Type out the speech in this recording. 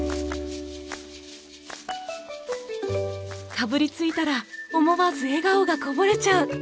かぶりついたら思わず笑顔がこぼれちゃう。